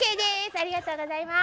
ありがとうございます。